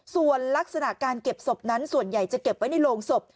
ส่วนลักษณะการเก็บศพนั้นส่วนใหญ่จะเก็บไว้ในโรงศพ